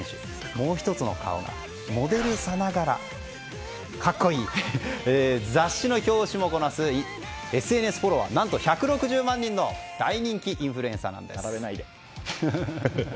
もう１つの顔がありましてモデルさながらに格好いい、雑誌の表紙もこなすＳＮＳフォロワー何と１６０万人の大人気インフルエンサーなんです。